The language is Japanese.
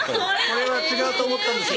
これは違うと思ったんです